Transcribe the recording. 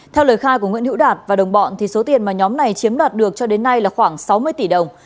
theo lời khai của nguyễn hữu đạt và đồng bọn số tiền mà nhóm này chiếm đoạt được cho đến nay là khoảng sáu mươi tỷ đồng